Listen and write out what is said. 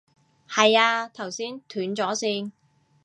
係啊，頭先斷咗線